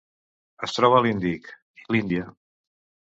Es troba a l'Índic: l'Índia.